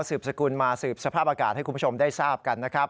สืบสกุลมาสืบสภาพอากาศให้คุณผู้ชมได้ทราบกันนะครับ